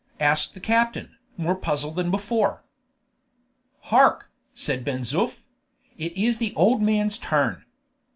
asked the captain, more puzzled than before. "Hark!" said Ben Zoof; "it is the old man's turn."